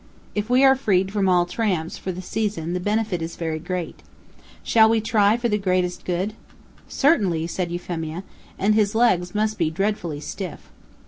If we are freed from all tramps, for the season, the benefit is very great. Shall we try for the greatest good?" "Certainly," said Euphemia; "and his legs must be dreadfully stiff."